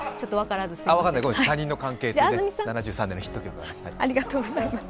「他人の関係」ね、７３年のヒット曲ですね。